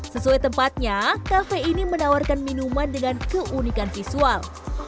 sesuai tempatnya kafe ini menawarkan minuman dengan keunikan visual